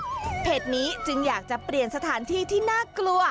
เพจนี้จึงอยากจะเปลี่ยนสถานที่ที่น่ากลัว